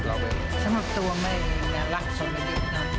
สำหรับตัวไม่น่ารักสำหรับนี้นะ